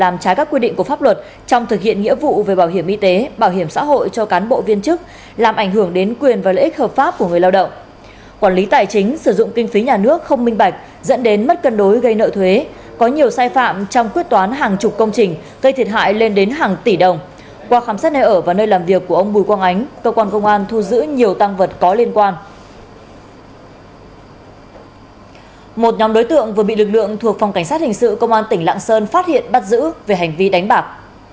một nhóm đối tượng vừa bị lực lượng thuộc phòng cảnh sát hình sự công an tỉnh lạng sơn phát hiện bắt giữ về hành vi đánh bạc